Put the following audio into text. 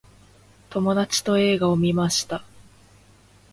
友達と映画を観ました。